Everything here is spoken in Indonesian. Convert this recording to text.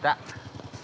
tidak ada yang kaget